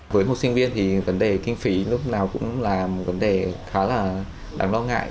với một sinh viên thì vấn đề kinh phí lúc nào cũng là một vấn đề khá là đáng lo ngại